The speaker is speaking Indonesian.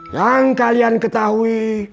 yang kalian ketahui